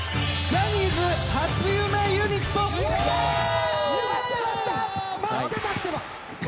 ジャニーズ初夢ユニット！